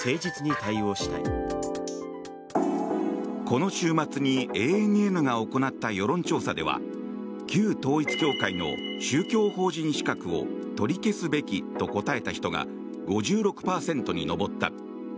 この週末にＡＮＮが行った世論調査では旧統一教会の宗教法人資格を取り消すべきと答えた人が５６％に上った。